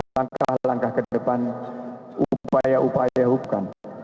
langkah langkah ke depan upaya upaya hukumkan